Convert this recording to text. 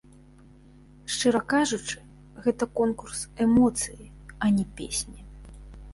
Шчыра кажучы, гэта конкурс эмоцыі, а не песні.